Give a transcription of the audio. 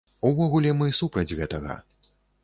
Увогуле, мы супраць гэтага.